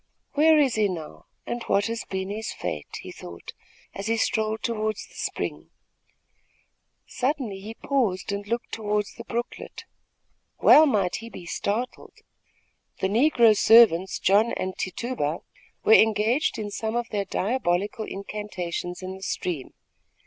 "Where is he now, and what has been his fate?" he thought, as he strolled toward the spring. Suddenly he paused and looked toward the brooklet. Well might he be startled. The negro servants, John and Tituba, were engaged in some of their diabolical incantations in the stream.